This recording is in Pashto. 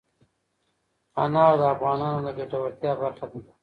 انار د افغانانو د ګټورتیا برخه ده.